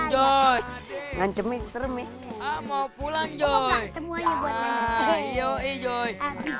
joy nganceng serem mau pulang joy semuanya buatnya yoi joy